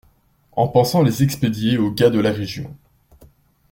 En pensant les expédier aux gars de la Région.